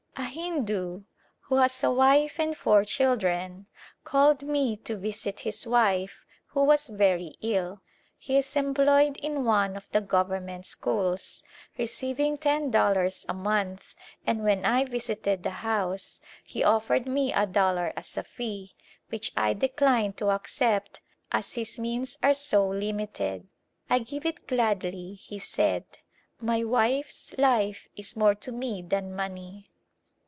A Hindu who has a wife and four children called me to visit his wife who was very ill. He is employed in one of the government schools, receiving ten dollars a month and when I visited the house he offered me a dollar as a fee, which I declined to accept as his means are [«38] Visitors From America so limited. "I give it gladly," he said j "my wife's life is more to me than money."